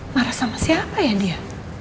marah sama siapa ya dia